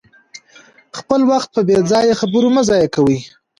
خپل وخت په بې ځایه خبرو مه ضایع کوئ.